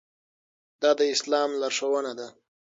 دا د اسلام لارښوونه ده.